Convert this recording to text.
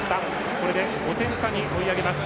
これで５点差に追い上げます。